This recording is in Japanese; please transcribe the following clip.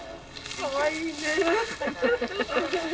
かわいいね。